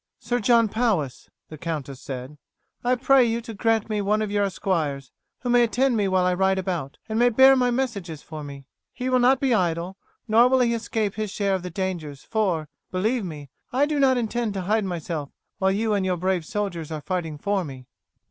"Sir John Powis," the countess said, "I pray you to grant me one of your esquires, who may attend me while I ride about, and may bear my messages for me. He will not be idle, nor will he escape his share of the dangers; for, believe me, I do not intend to hide myself while you and your brave soldiers are fighting for me.